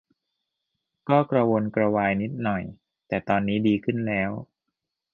ก็กระวนกระวายนิดหน่อย แต่ตอนนี้ดีขึ้นแล้ว